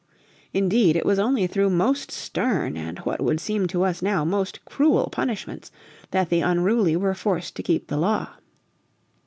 Indeed it was only through most stern, and what would seem to us now most cruel punishments, that the unruly were forced to keep the law.